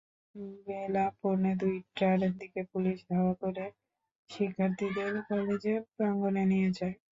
বেলা পৌনে দুইটার দিকে পুলিশ ধাওয়া করে শিক্ষার্থীদের কলেজ প্রাঙ্গণে নিয়ে যায়।